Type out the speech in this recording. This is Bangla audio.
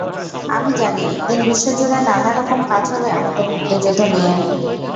আমি জানি, একদিন বিশ্বজুড়ে নানা রকম কাজ হবে আমাদের মুক্তিযুদ্ধ নিয়ে।